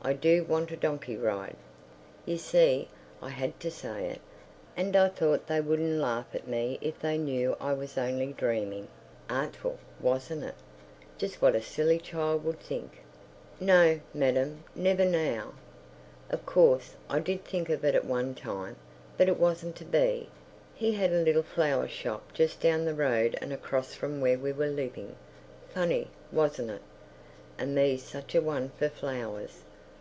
I do want a donkey ride!_" You see, I had to say it, and I thought they wouldn't laugh at me if they knew I was only dreaming. Artful—wasn't it? Just what a silly child would think.... ... No, madam, never now. Of course, I did think of it at one time. But it wasn't to be. He had a little flower shop just down the road and across from where we was living. Funny—wasn't it? And me such a one for flowers.